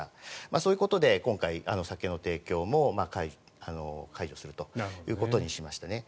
そういうことで今回酒の提供も解除するということにしましたね。